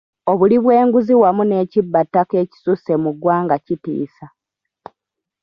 Obuli bw'enguzi wamu n'ekibbattaka ekisusse mu ggwanga kitissa.